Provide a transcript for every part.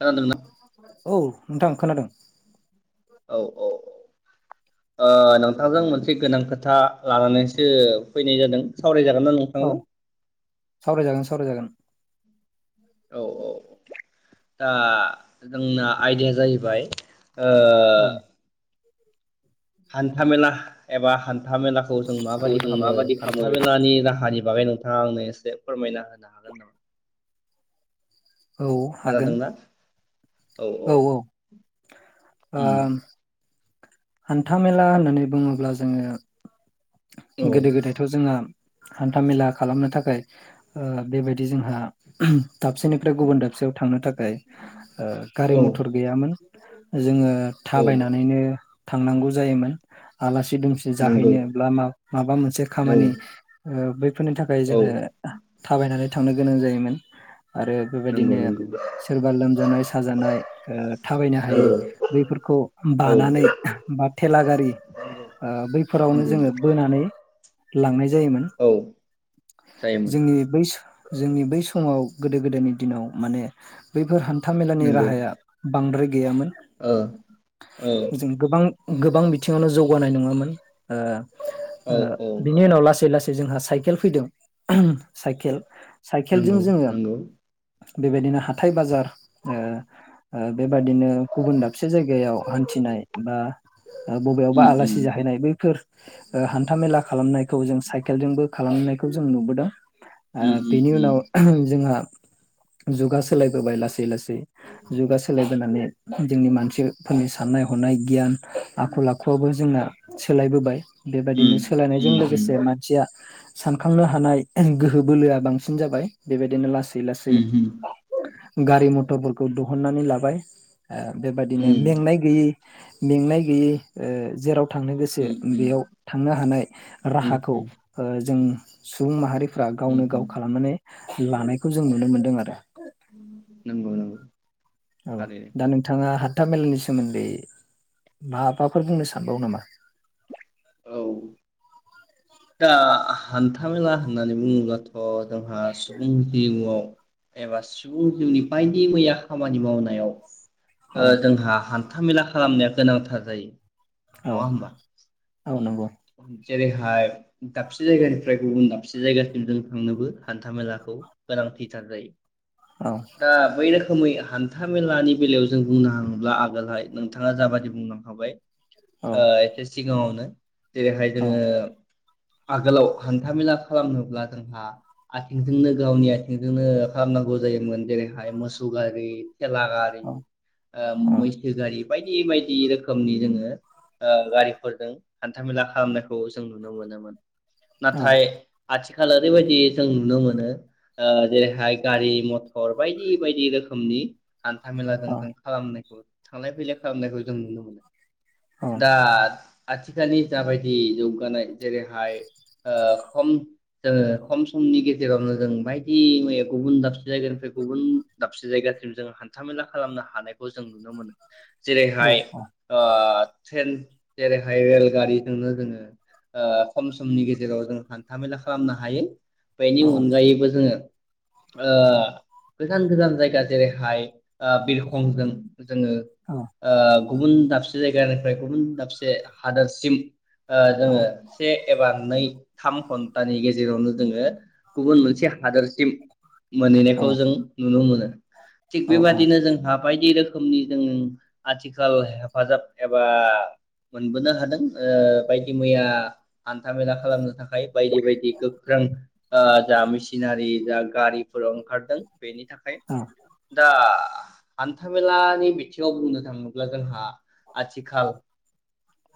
खोनादोंना औ नोंथां खोनादों। औ औ ओ नोंथांजों मोनसे गोनां खोथा लानानैसो फैनाय जादों सावरायजा औ सावरायजागोन सावरायजागोन। औ औ दा जोंना आइदाया जाहैबाय ओ खौ हान्था मेला एबा हान हान्था मेलाखौ जों माबादि जों खालामो माबादि खामो हान्था मेलानि राहानि बागै नोंथाङा आंनो एसे फोरमायना होनो हागोन नामा? औ हागोन खोनादोंना औ औ उम आम हान्थामेला होननानै बुङोब्ला जोङो औ गोदो गोदायथ' जोंहा हान्थामेला खालामनो थाखाय ओ बेबायदि जोंहा दाबसेनिफ्राय गुबुन दाबसेयाव थांनो थाखाय गारि औ मथर गैयामोन जोङो औ थाबायनानैनो थांनांगौ जायोमोन आला सि दुमसि नंगौ जाहैनोब्ला बा माबा मोनसे औ खामानि ओ बैफोरनि थाखाय औ जोङो थाबायनानै थांनो गोनां जायोमोन। आरो नंगौ बेबायदिनो नंगौ सोरबा लोमजानाय साजानाय ओ थाबायनो हायै नंगौ बैफोरखौ औ बानानै बा थेला गारि ओ बैफोरावनो नंगौ जोङो बोनानै लांनाय जायोमोन। औ जायोमोन जोंनि बै जोंनि बै समाव गोदो गोदायनि दिनाव माने बैफोर हा न्थामेलानि नंगौ राहाया बांद्राय गैयामोन। ओ औ जों गोबां गोबां बिथिङावनो जौगानाय नङामोन। ओ औ ओ औ बिनि उनाव लासै लासै जोंहा साइ केल फैदों। साइकेल साइकेलजों नोंगौ जोङो नोंगौ। बेबायदिनो हाथाय बाजार ओ ओ बेबायदिनो गुबुन दाबसे जायगायाव हान्थिनाय बा ओ बबेयावबा उम उम आलासि जाहैनाय बैफोर ओ हान्था मेला खालामनायखौ जों साइकेलजोंबो खालामनायखौ जों नुबोदों। ओ उम बेनि उनाव जोंहा जुगा सोलायबोबाय लासै लासै। जुगा सोलायबोनानै जोंनि मानसिफोरनि साननाय हनाय गियान आखल आखुआबो जोंना सोलायबोबाय। बेबायदिनो सोलायनायजों उम लोगोसे मानसिया सानखांनो हानाय गोहो बोलोआ बांसिन जाबाय बेबायदिनो ला दि लासै उम गारि मटरफोरखौ दहननानै लाबाय। ओ उम बेबादिनो मेंनाय गैयै मेंनाय गैयै ओ जेराव थांनो गोसो उम बेयाव थांनो हानाय उम राहाखौ ओ जों सुबुं माहारिफ फ्रा उम गावनो गाव उम खालामनानै लानायखौ जों नुनो मोनदों [unintelligible] नंगौ नंगौ औ थारैनो दा नोंथाङा हा न्था मेलानि सोमोन्दै माबाफोर बुंनो सानबावो नामा? औ दा हान्थामेला होननानै बुङोब्लाथ अ जोंहा सुबुं जिउआव एबा सुबुं जिउनि बायदि मैया खामानि मावनायाव औ ओ जोंहा हान्था थामेला खालामनाया गोनांथार जायो औ नङा होमबा औ नंगौ उम जेरैहाय दाबसे जायगानिफ्राय गुबुन दाबसे जायगासिम जों थांनोबो हान्थामेलाखौ गोनांथिथार जायो औ दा बैनो खोमै हान्था मेलानि बेलायाव जों बुंनो थाङोब्ला आगोलहाय नोंथाङा जाबादि बुंलांखाबाय औ ओ एथिस सिङावनो जेरैहाय औ जोङो आगोलाव हान्थामेला खालामनोब्ला जोंहा आथिंजोंनो गावनि आथिंजोंनो खालामनांगौ जायोमोन जेरैहाय मोसौ गारि थेला गारि औ ओ मैसो गारि बायदि बायदि रोखोमनि जोङो ओ गारिफोरजों हान्थामेला खालामनायखौ जों नुनो मोनोमोन। औ नाथाय आथिखाल ओरैबायदि जों नुनो मोनो ओ जेरैहाय गारि मथर बायदि बायदि रोखोमनि हान्थाामेलाजों औ जों खालामनायखौ थांलाय फैलाय खालामनायखौ जों नुनो मोनो। औ दा आथिखालनि जाबायदि जौगानाय जेरै हाय ओ खम ओ जोङो खम समनि गेजेरावनो जों बायदि मैया गुबुन दाबसे जायगानिफ्राय गुबुन दाबसे जायगासिम जों हान्थामेला खालामनो हानायखौ जों नुनो मोनो। जेरैहाय औ ओ ट्रेन जेरैहाय रेलगारिजोंनो जोङो ओ खम समनि गेजेराव जों हान्थामेला खालामनो हायो बेनि अनगायैबो जोङो ओ गोजान गोजान जायगा जेरैहाय बिरखंजों जोङो औ ओ गुबुन दाबसे जायगानिफ्राय गुबुन दाबसे हादोरसिम ओ औ जोङो से एबा नै थाम घन्टानि गेजेरावनो जोङो गुबुन मोनसे हादोरसिम औ मोनहैनायखौ जों नुनो मोनो। थिग बेबादिनो जोंहाब बायदि रोखोमनि जों आथिखाल हेफाजाब एबा मोनबोनो हादों ओ बायदि मैया हान्थामेला खालामनो थाखाय बायदि बायदि गोख्रों ओ जा मेसिनारि जा गारि फोरा ओंखारदों बेनि थाखाय दा हान्थामेलानि बिथिङाव बुंनो थाङोब्ला जोंहा आथिखाल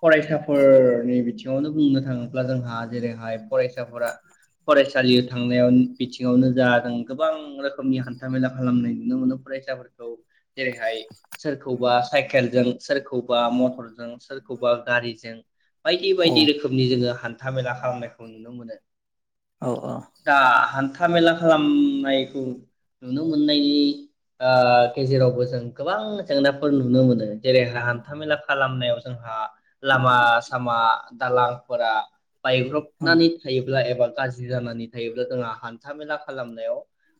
फरायसाफोरनि बिथि यावनो बुंनो थाङोब्ला जोंहा जेरैहाय फरायसाफोरा फरायसालि थांनायाव बिथिङावनो जा जों गोबां रोखोमनि हान्थामेला खालामनाय नुनो मोनो फरायसाफोरखौ जेरैहाय सोरखौबा साइकेलजों सोरखौबा मथरजों सोरखौबा गारिजों बायदि बायदि रोख नि जोङो हान्थामेला खालामनायखौ नुनो मोनो। औ दा हान्थ था मेला खालामनायखौ नुनो मोननायनि ओ गेजेरावबो जों गोबां जेंनाफोर नुनो मोनो जेरैहा हान्थामेला खालामनायाव जोंहा लामा सामा दालां फोरा औ बायब्रबनानै थायोब्ला एबा गाज्रि जानानै थायोब्ला जोंहा हान्थामेला खालामनायाव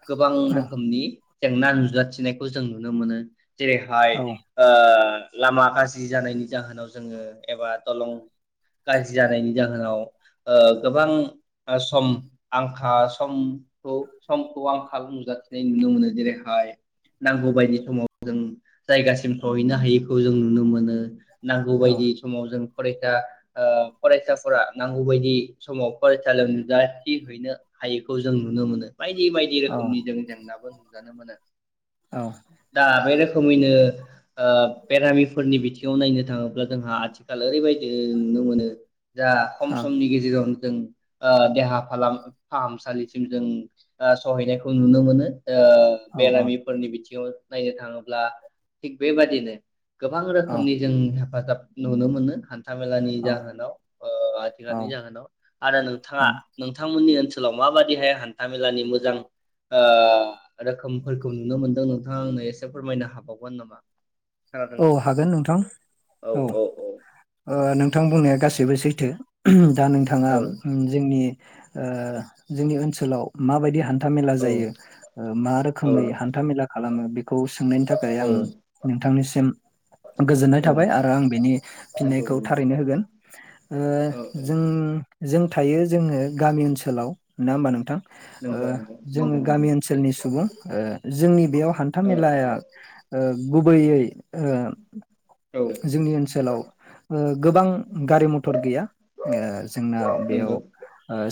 गोबां औ रोखोमनि जेंना नुजाथिनायखौ जों नुनो मोनो। जेरैहाय औ ओ लामा गाज्रि जानायनि जाहोनाव जोङो एबा दलं गाज जानायनि जाहोनाव ओ गोबां ओ सम आंखा समखौ समखौ आंखाल नुजाथिनाय नुनो मोनो जेरैहाय नांगौबायदि समाव जों जायगासिम सहैनो हायिखौ जों नुनो मोनो। नांगौ औ बायदि समाव जों फरायसा ओ फरायसाफोरा नांगौ बायदि समाव फरायसालियाव नुजाथि हैैनो हायिखौ जों नुनो मोनो। बायदि बायदि औ रोखोमनि जों जेंनाबो न जानो मोनो। औ दा बे रोख रोखोमैनो ओ बेरामिफोरनि बिथिङाव नायनो थाङोब्ला जोंहा आथिखाल ओरैबायदि नुनो मोनो दा खम समनि गेजेराव जों ओह देहा फाहामसालिसिम जों सहैनायखौ नुनो मोनो ओ औ बेरामिफोरनि बिथिङाव नायनो थाङोब्ला थिग बेबादिनो गोबां रोखोमनि जों हेफाजाब नुनो मोनो हानथामेलानि औ जाहोनाव ओ आथिखालनि जाहोनाव आरो नोंथाङा नोंथांमोननि नि ओनसोलाव माबादिहाय हान्थामेलानि मोजां ओ रोखोमफोरखौ नुनो मोनदों नोंथाङा आंनो एसे फोरमायनो हाबावगोन नामा खोनादों औ दा? हागोन नोंथां औ ओह नोंथां बुंनाया औ गासै बो सैथो दा नोंथाङा जोंनि ओ जोंनि ओनसोलाव मा बायदि हान थामेला औ जायो ओ मा औ रोखोमै हान्थामेला खालामो बेखौ खौ सोंनायनि थाखाय आं नोंथांनि सि गोजोननाय औ थाबाय आरो आं बेनि नंगौ फिननायखौ नंगौ थारैनो होगोन ओह औ औ जों जों थायो जोङो गामि ओनसोलाव नङा होमबा नोंथां ओ‌ नंगौ नंगौ जोङो नंगौ नंगौ गामि ओनसोलनि ओह सुबुं जोंनि बेयाव हान्था औ मेलाया औ गुबैयै ओ औ जोंनि ओनसोलाव ओह गोबां गारि मथर गैया ओ जोंना बेयाव नंगौ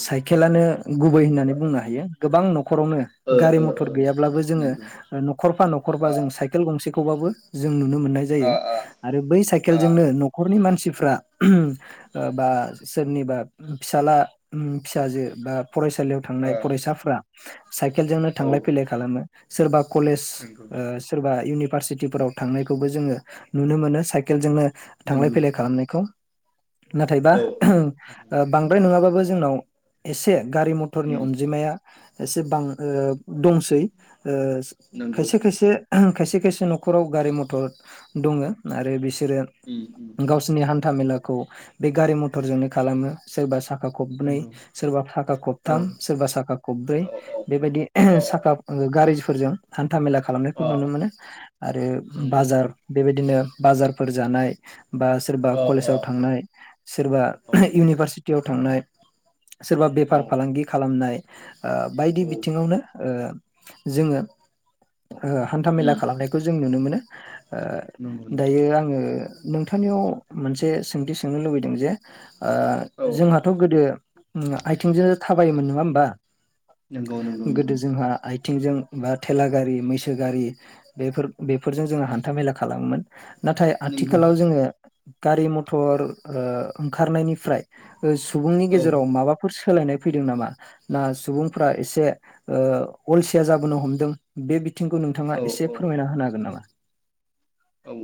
साइ खेलानो गुबै होननानै बुंनो हायो गोबां न'खरावनो ओ गारि ओ मथर ओ गैयाब्लाबो जोङो नंगौ न'खरफा न'खरफा आ जों साइकेल गंसे खौबाबो जोंनि नुनो मोननाय आ जायो आ आरो बै आ सायखेलजोंनो नखरनि मानसि फ्रा बा सोरनिबा फिसाला उम फिसाजो बा फरायसालियाव थांनाय आ फरायसाफ्रा साइकेलजोंनो औ थांलाय फैलाय खालामो। सोरबा कलेज नंगौ ओ सोरबा इउनिभारसिटिफोराव थांनायखौबो जोङो नुनो मोनो साइकेलजोंनो थांलाय नंगौ फैलाय खालामनायखौ नाथायबा औ ओ बांद्राय नङाबाबो जोंनाव एसे गारि मथ'रनि उम अनजिमाया एसे बां ओ दंसै ओ नंगौ खायसे खायसे खायसे खायसे न'खराव गारि मथर दङो आरो बि सोरो उम उम गावसिनि हा था मेलाखौ बे गारि मथरजोंनो खालामो सोरबा सा खा खबनै नंगौ सोरबा साखा औ खबथाम सोरबा साखा खबब्रै औ औ बेबायदि औ साखा ओ गारि जों हान था मेला खालामनायखौ अ नुनो मोनो आरो नंगौ बाजार बेबायदिनो बाजारफोर जानाय बा सोरबा अ अ कलेजाव थांनाय सोरबा औ इउनिभारसि टियाव थांनाय सोरबा बेफार औ फालांगि खालामनाय ओ बायदि औ उम बिथिङावनो ओ जोङो ओ हान्थामेला खालामनायखौ जों नुनो मोनो। [inaudible] ओ नंगौ नंगौ दायो आङो नोंथांनियाव मोनसे सोंथि सोंनो लुबैदों जे ओ औ जोंहाथ' गोदो आथिंजों थाबायोमोन नङा होमबा नंगौ नंगौ नंगौ गोदो जोंहा आइ थिंजों बा थेला गारि मैसो गारि बेफोर बे फोरजों जोंङो हान्थामेला खालामोमोन नाथाय नंगौ आथिखालाव जोंङो गारि मथर ओ ओंखारनायनि फ्राय सुबुंनि औ गेजेराव माबाफोर सोलायनाय फैदों नामा ना सुबुंफ्रा एसे ओ अलसिया जाबोनो हमदों बे बिथिंखौ नोंथाङा औ एसे औ फोरमायना होनो हागोन नामा? [inaudible] औ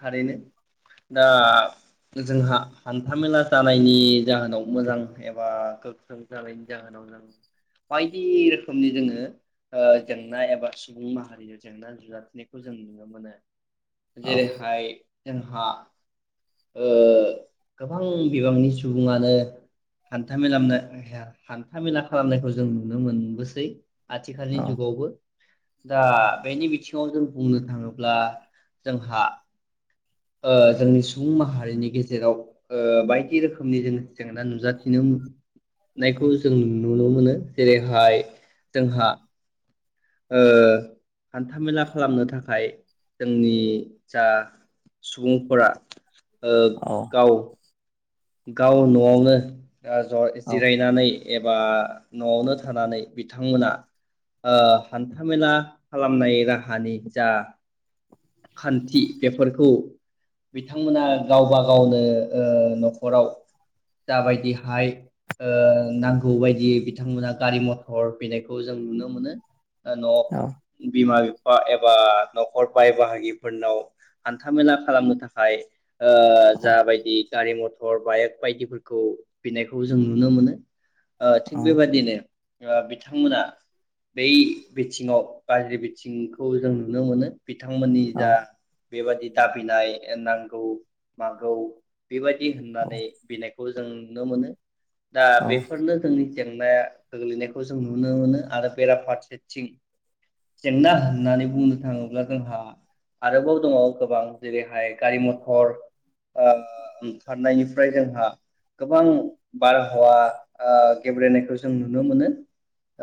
थारैनो दा जोंहा हान्थामेला जानायनि जाहोनाव मोजां एबा गोख्रों जानायनि जाहोनाव जों बायदि रोखोमनि जोंङो ओ जेंना एबा सुबुं माहारिजों जेंना नुजाथिनायखौ जों नुनो मोनो। औ जेरैहाय जोंहा ओ गोबां बिबांनि सुबुङानो हान्था मेला हान्था मेला खालामनायखौ जों नुनो मोनबोसै। आथिखालनि औ जुगावबो। दा बेनि बिथिङाव जों बुंनो थाङोब्ला जोंहा ओ जोंनि सुबुं माहारिनि गेजेराव ओ बायदि रोखोमनि जों जेंना नुजाथिनो मोननायखौ जों नुनो मोनो जेरैहाय जोंहा ओ हान्थामेला खालामनो थाखाय जोंनि जा सुबुंफोरा ओ औ गाव गाव नआवनो ज औ जिरायनानै एबा नआवनो थानानै बिथांमोना ओ हान्थामेला खालामनाय राहानि जा खान्थि बेफोरखौ बिथांमोना गावबा गावनो ओ न नखराव जाबायदिहाय ओ नांगौ बायदि बिथांमोना गारि मथर फैनायखौ जों नुनो मोनो। औ न' बिमा एबा नखर बाय बाहागिफोरनाव हान्थामेला खालामनो थाखाय ओ औ जाबायदि गारि मथ हर बाइेक बायदिफोरखौ बिनायखौ जों नुनो मोनो। ओ थिग औ बे बायदिनो ओ बिथांमोना बै बिथिङाव गाज्रि बिथिंखौ जों नुनो मोनो। बिथांमोननि औ जा बेबायदि दाबिनाय नांगौ मागौ बेबायदि दि होननानै बिलेग खौ जों नुनो मोनो। दा औ बेफोरनो जोंनि जेंनाया गोग्लैनायखौ जों नुनो मोनो। आरो बेराफारसेथिं जेंना होननानै बुंनो थाङोब्ला जोंहा आरोबाव दङ गोबां जेरैहाय गारि मथर आ उम फारनायनिफ्राय जोंहा गोबां बारहावा ओ गेब्रेनायखौ जों नुनो मोनो।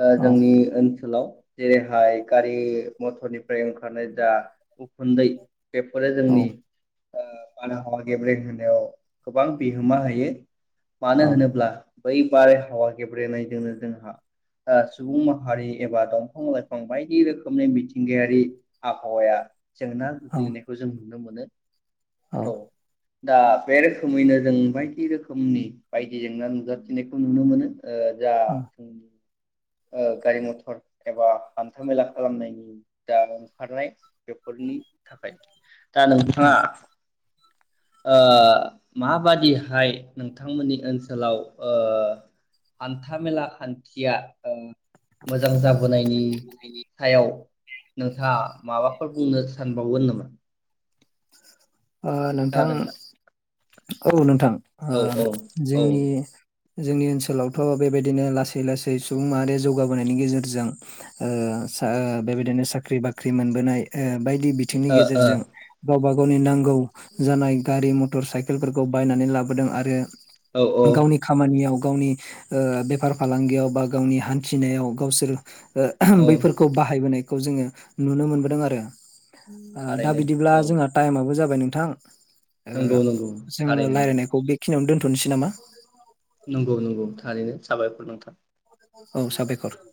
ओ औ जोंनि ओनसोलाव जेरैहाय गारि मथरनिफ्राय ओंखारनाय दा उखुन्दै। बेफोरो जोंनि औ ओ बारहावा गेब्रेहोनायाव गोबां बिहोमा होयो । मानो होनोब्ला बै बारहावा गेब्रेनायजोंनो जोंहा ओ सुबुं माहारि एबा दंफां लाइफां बायदि रोखोमनि मिथिंगायारि आबहावाया जेंना औ गोग्लैनायखौ जों [unintelligible] औ । दा [unintelligible] खोमैनो जों बायदि रोखोमनि बायदि जेंना नुजाथिनायखौ नुनो मोनो। ओ जा ओ गारि मथर एबा हान्थामेला खालामनायनि दा ओंखारनाय बेफोरनि थाखाय दा नोंथाङा औ ओ माबादिहाय नोंथांमोननि ओनसोलाव ओ हान्थामेला खान्थिया ओ मोजां जाबोनायनि सायाव नोंथाङा माबाफोर बुंनो सानबावगोन नामा? ओ नोंथां खोनादों ना? औ नोंथां ओ औ औ औ ओ जोंनि जोंनि ओनसोलावथ' बेबायदिनो लासै लासै सुबुंमाहारि आ जौगाबोनायनि गेजे जों ओ सा ओ बेबायदिनो साख्रि बाख्रि मोनबोनाय ओ बायदि बिथिंनि ओ गेजेरजों गावबा गावनि नां गौ जानाय गारि मटर साइकेलफोरखौ बायनानै लाबोदों आरो औ औ गावनि खामानियाव गावनि ओ बेफार फालांगियाव बा गावनि हान्थिनायाव गावसोर ओ औ बैफोरखौ बाहायबोनाय खौ जोङो नुनो मोनबोदों आरो । ओ दा थारैनो बिदिब्ला औ जोंहा टाइमाबो जा बाय नोंथां नंगौ ओ नंगौ जोङो थारैनो रायलायनायखौ बे खिनियावनो दोनथ'नोसै नामा? नंगौ नंगौ थारैनो साबायखर नोंथां । औ साबायखर ।